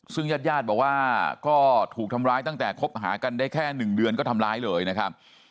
ซึ่งญาติญาติบอกว่าก็ถูกทำร้ายตั้งแต่คบหากันได้แค่๑เดือนก็ทำร้ายเลยนะครับ